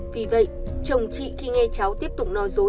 vì vậy chồng chị khi nghe cháu tiếp tục no dối